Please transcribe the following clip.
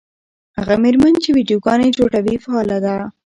هغه مېرمنه چې ویډیوګانې جوړوي فعاله ده.